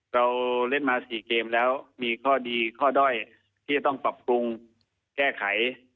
เราเล่นมา๔เกมแล้วมีข้อดีข้อด้อยที่จะต้องปรับปรุงแก้ไข